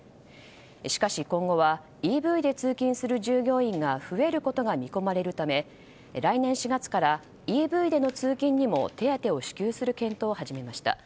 しかし、今後はＥＶで通勤する従業員が増えることが見込まれるため来年４月からＥＶでの通勤にも手当を支給する検討を始めました。